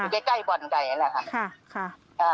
อยู่ใกล้บ่อนไก่แหละค่ะ